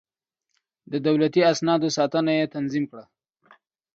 د دولتي اسنادو ساتنه يې تنظيم کړه.